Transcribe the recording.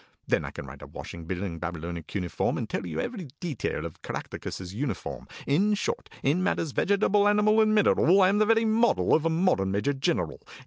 Then I can write a washing bill in Babylonic cuneiform, And tell you every detail of CARACTACUS'S uniform. In short, in matters vegetable, animal, and mineral, I am the very model of a modern Major Gineral.